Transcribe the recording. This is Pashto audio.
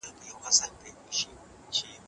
زرین انځور وویل چي تحقیق اړین دی.